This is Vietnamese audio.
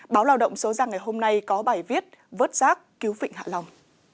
báo lao động số ra ngày hôm nay có bài viết vớt rác cứu vịnh hạ long